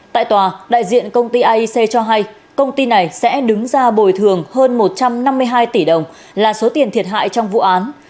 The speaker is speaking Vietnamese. tại tòa đại diện công ty aic cho hay công ty này sẽ đứng ra bồi thường hơn một trăm năm mươi hai tỷ đồng là số tiền thiệt hại trong vụ án